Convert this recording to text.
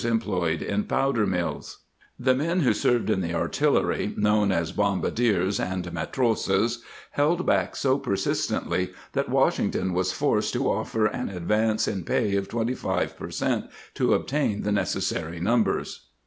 Maintaining the Forces served in the artillery — known as bombardiers and matrosses — held back so persistently that Wash ington was forced to offer an advance in pay of twenty five per cent, to obtain the necessary numbers.